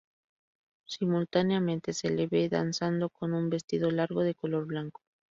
Simultáneamente, se le ve danzando con un vestido largo de color blanco.